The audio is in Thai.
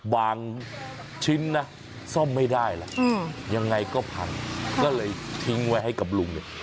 ชิ้นนะซ่อมไม่ได้แล้วยังไงก็พังก็เลยทิ้งไว้ให้กับลุงเนี่ย